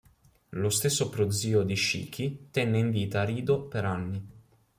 Lo stesso prozio di Shiki tenne in vita Rido per anni.